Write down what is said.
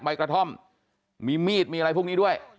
ใบกระท่อมมีมีดมีอะไรพวกนี้ด้วย